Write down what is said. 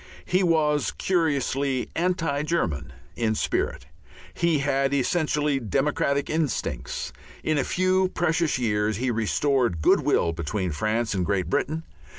He was curiously anti German in spirit; he had essentially democratic instincts; in a few precious years he restored good will between France and Great Britain.